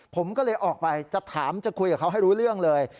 ผมก็เลยออกไปจะถามจะคุยกับเขาให้รู้เรื่องเลย